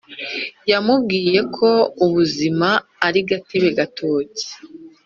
yamubwiye ko ubuzima ari gatebe gatoki